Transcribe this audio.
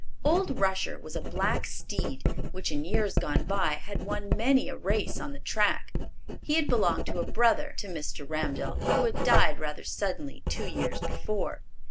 Old Rusher was a black steed which, in years gone by, had won many a race on the track. He had belonged to a brother to Mr. Ramdell, who had died rather suddenly two years before.